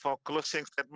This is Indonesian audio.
waktu yang cukup